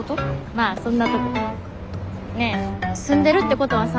まあそんなとこ。ねえ住んでるってことはさ